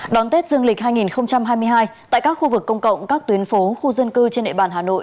đón tết dương lịch hai nghìn hai mươi hai tại các khu vực công cộng các tuyến phố khu dân cư trên địa bàn hà nội